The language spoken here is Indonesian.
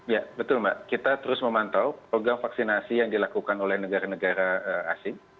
ya betul mbak kita terus memantau program vaksinasi yang dilakukan oleh negara negara asing